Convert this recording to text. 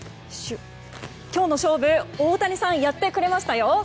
今日の勝負、大谷さんやってくれましたよ。